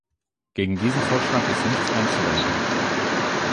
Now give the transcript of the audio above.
Gegen diesen Vorschlag ist nichts einzuwenden.